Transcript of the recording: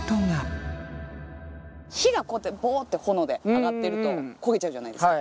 火がこうやってボって炎で上がってると焦げちゃうじゃないですか。